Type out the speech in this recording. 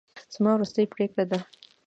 زما وروستۍ پرېکړه ده.